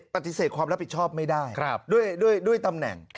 ปฏิเสธความรับผิดชอบไม่ได้ด้วยตำแหน่ง